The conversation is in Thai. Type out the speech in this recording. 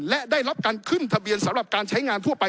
และได้รับการขึ้นทะเบียนสำหรับการใช้งานทั่วไป